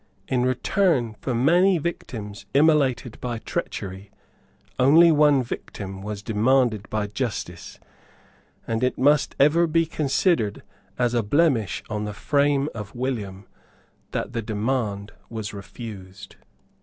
In return for many victims immolated by treachery, only one victim was demanded by justice; and it must ever be considered as a blemish on the fame of William that the demand was refused.